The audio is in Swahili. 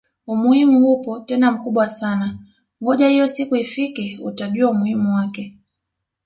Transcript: Umuhimu upo tena mkubwa sana ngoja hiyo siku ifike utajua umuhimu wake